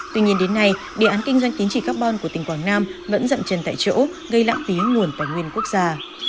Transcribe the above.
tuy nhiên đến nay đề án kinh doanh tính trị carbon của tỉnh quảng nam vẫn dậm chân tại chỗ gây lãng phí nguồn tài nguyên quốc gia